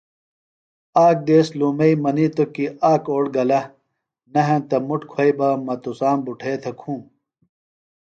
آک دیس لُومئی منِیتوۡ کی آک اوڑ گلہ نہ ہنتہ مُٹ کُھویئی بہ مہ تُسام بُٹھے تھےۡ کُھوم۔